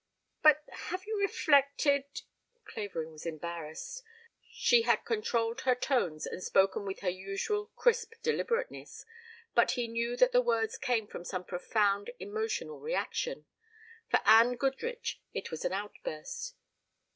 "But have you reflected " Clavering was embarrassed. She had controlled her tones and spoken with her usual crisp deliberateness, but he knew that the words came from some profound emotional reaction. For Anne Goodrich it was an outburst.